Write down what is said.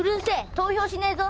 投票しねえぞ。